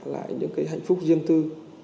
lại những cái hạnh phúc riêng tư